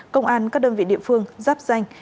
công an các đơn vị địa phương giáp danh